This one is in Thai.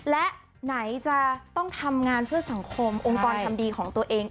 และไหนจะต้องทำงานเพื่อสังคมองค์กรทำดีของตัวเอง